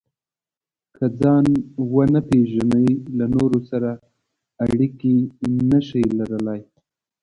که ځان ونه پېژنئ، له نورو سره اړیکې نشئ لرلای.